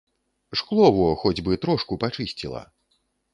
Шкло во хоць бы трошку пачысціла.